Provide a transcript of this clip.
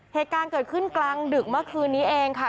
เหตุการณ์เกิดขึ้นกลางดึกเมื่อคืนนี้เองค่ะ